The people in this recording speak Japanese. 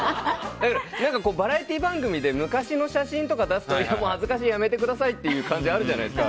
バラエティー番組で昔の写真を出すと恥ずかしい、やめてくださいっていう感じあるじゃないですか？